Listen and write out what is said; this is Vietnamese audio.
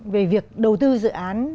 về việc đầu tư dự án